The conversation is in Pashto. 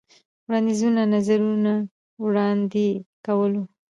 وړاندیزونو ، نظرونه وړاندې کولو.